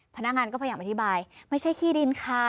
พนักงานก็พยายามอธิบายไม่ใช่ที่ดินค่ะ